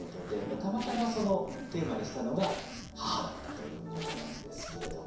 たまたまテーマにしたのが母だったということなんですけれども。